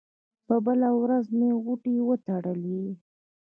په بله ورځ مې غوټې وتړلې.